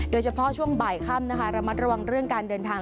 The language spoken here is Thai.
โดยเฉพาะช่วงบ่ายค่ำนะคะระมัดระวังเรื่องการเดินทาง